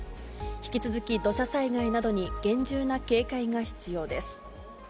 引き続き土砂災害などに厳重な警戒が必要です。